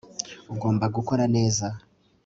Ugomba gukora neza